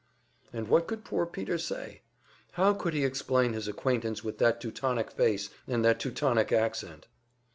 And what could poor Peter say? How could he explain his acquaintance with that Teutonic face and that Teutonic accent?